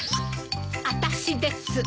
あたしです。